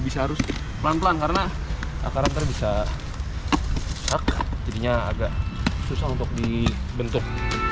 bisa harus pelan pelan karena akarnya nanti bisa sak jadinya agak susah untuk dibentuk